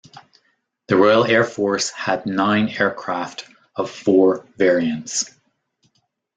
The Royal Air Force had nine aircraft of four variants.